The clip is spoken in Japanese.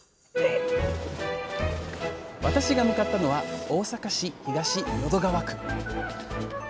私が向かったのは大阪市東淀川区。